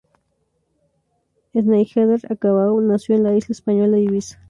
Sneijder-Cabau nació en la isla española Ibiza.